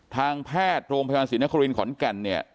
ทางแพทย์โรงพยาบาลศรีนครินขอนแก่นเนี่ย